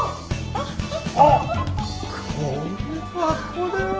あっこれはこれは。